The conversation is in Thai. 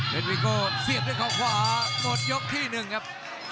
เป็นวิโก้เสียบด้วยเขาขวาหมดยกที่๑ครับ